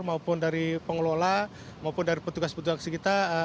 maupun dari pengelola maupun dari petugas petugas kita